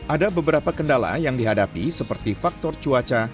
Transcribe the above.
ada beberapa kendala yang dihadapi seperti faktor cuaca